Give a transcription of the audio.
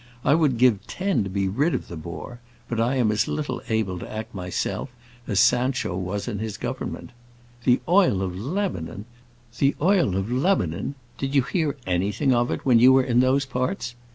I would give ten to be rid of the bore; but I am as little able to act myself as Sancho was in his government. The oil of Lebanon! Did you hear anything of it when you were in those parts?